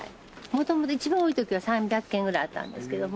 元々一番多い時は３００軒ぐらいあったんですけども。